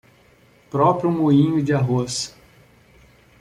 Próprio moinho de arroz